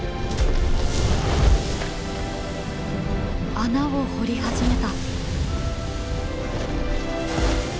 穴を掘り始めた。